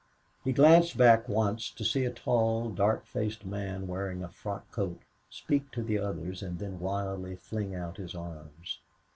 He glanced back once to see a tall, dark faced man wearing a frock coat speak to the others and then wildly fling out his arms.